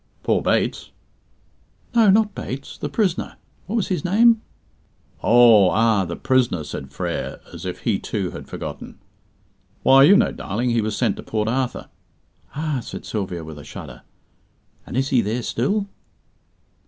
"Poor Bates?" "No, not Bates. The prisoner. What was his name?" "Oh, ah the prisoner," said Frere, as if he, too, had forgotten. "Why, you know, darling, he was sent to Port Arthur." "Ah!" said Sylvia, with a shudder. "And is he there still?"